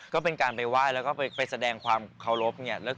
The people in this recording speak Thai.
ก็เป็นการไปไหว้แล้วก็ไปแสดงความเคารพเนี่ย